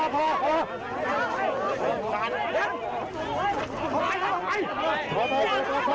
ของเขาต้องอยู่ในร่อง